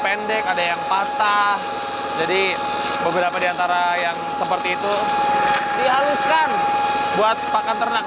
pendek ada yang patah jadi beberapa diantara yang seperti itu dihaluskan buat pakan ternak